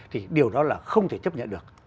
thì điều đó là không thể chấp nhận được